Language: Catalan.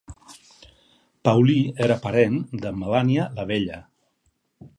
Paulí era parent de Melania la Vella.